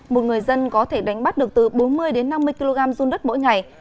một người dân có thể đánh bắt được từ bốn mươi đến năm mươi kg run đất mỗi ngày